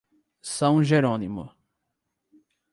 São Jerônimo